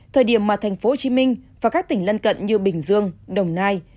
thời điểm mà thành phố hồ chí minh và các tỉnh lân cận như bình dương đồng nai